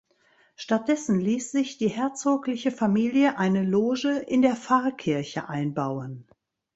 Stattdessen ließ sich die herzogliche Familie eine Loge in der Pfarrkirche einbauen.